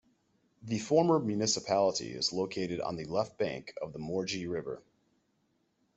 The former municipality is located on the left bank of the Morges river.